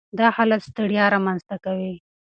دا حالت ستړیا رامنځ ته کوي.